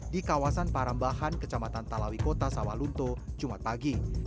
di kawasan parambahan kecamatan talawi kota sawalunto jumat pagi